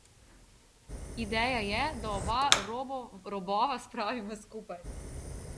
Ideja je, da oba robova spravimo skupaj.